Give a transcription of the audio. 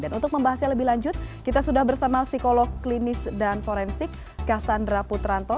dan untuk membahasnya lebih lanjut kita sudah bersama psikolog klinis dan forensik kassandra putranto